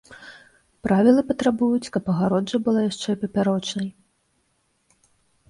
Правілы патрабуюць, каб агароджа была яшчэ і папярочнай.